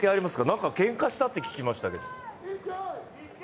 なんかけんかしたって聞きましたけど。